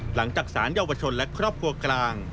หลังจากสารเยาวชนและครอบครัวกลาง